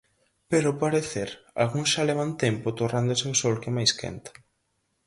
Pero ao parecer algúns xa levan tempo torrándose ao sol que máis quenta.